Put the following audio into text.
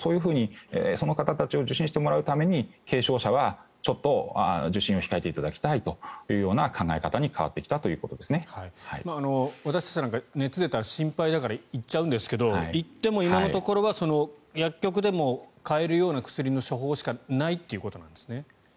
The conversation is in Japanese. その方たちに受診してもらうために軽症者はちょっと受診を控えていただきたいという考え方に私たちは熱が出たら心配だから行っちゃうんですけど行っても今のところは薬局でも買えるような薬の処方しかないということなんですね。